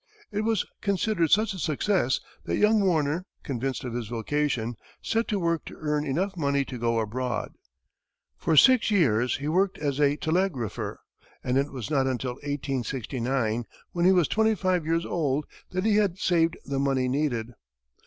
It was considered such a success that young Warner, convinced of his vocation, set to work to earn enough money to go abroad. For six years he worked as a telegrapher, and it was not until 1869, when he was twenty five years old, that he had saved the money needed.